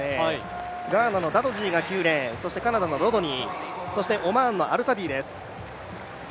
ガーナのダドジーが９レーンカナダのロドニーそしてオマーンのアルサディです。